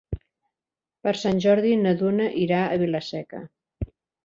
Per Sant Jordi na Duna irà a Vila-seca.